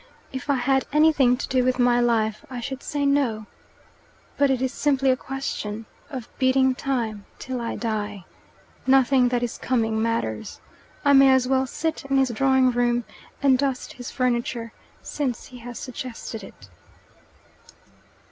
If I had anything to do with my life I should say no. But it is simply a question of beating time till I die. Nothing that is coming matters. I may as well sit in his drawing room and dust his furniture, since he has suggested it."